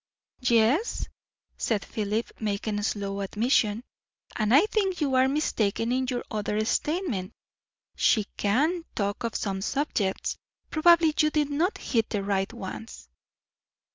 "Yes " said Philip, making slow admission. "And I think you are mistaken in your other statement; she can talk on some subjects. Probably you did not hit the right ones."